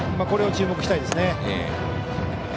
これを注目したいですね。